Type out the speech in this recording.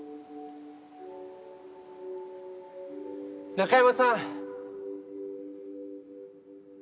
中山さん！